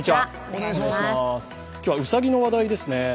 今日は、うさぎの話題ですね。